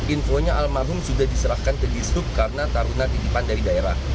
infonya almarhum sudah diserahkan ke disub karena taruna titipan dari daerah